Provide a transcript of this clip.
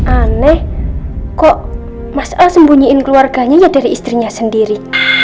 aneh kok mas al sembunyiin keluarganya ya dari istrinya sendiri